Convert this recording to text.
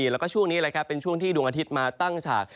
แล้วก็ช่วงนี้เป็นช่วงที่ดวงอาทิตย์มาตั้งฉาก